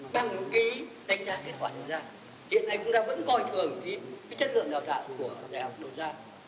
bằng cái đánh giá kết quả đổi ra hiện nay chúng ta vẫn coi thường cái chất lượng đào tạo của đại học đổi ra